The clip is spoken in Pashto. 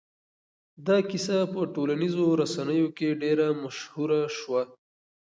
دا کيسه په ټولنيزو رسنيو کې ډېره مشهوره شوه.